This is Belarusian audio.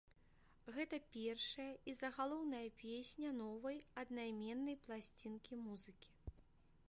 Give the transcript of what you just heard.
Гэта першая і загалоўная песня новай, аднайменнай пласцінкі музыкі.